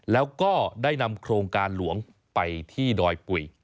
แล้วก็ได้นำโครงการหลวงไปที่ดอยปุ๋ย